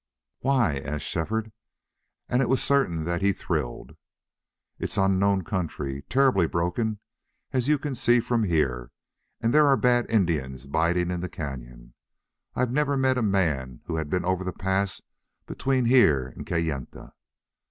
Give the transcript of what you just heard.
"Why?" asked Shefford, and it was certain that he thrilled. "It's unknown country, terribly broken, as you can see from here, and there are bad Indians biding in the cañon. I've never met a man who had been over the pass between here and Kayenta.